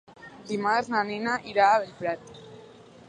Dimarts na Nina irà a Bellprat.